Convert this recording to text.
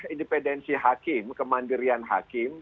independensi hakim kemandirian hakim